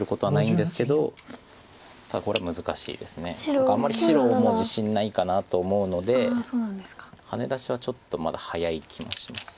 何かあんまり白も自信ないかなと思うのでハネ出しはちょっとまだ早い気もします。